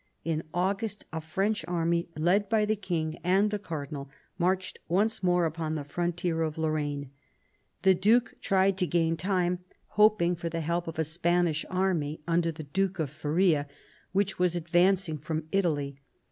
In August a French army, led by the King and the Cardinal, marched once more upon the frontier of Lorraine. The Duke tried to gain time, hoping for the help of 249 2SO CARDINAL DE RICHELIEU a Spanish army under the Duke of Feria, which was advancing from Italy.